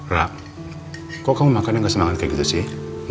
rap kok kamu makan dan gak semangat kayak gitu sih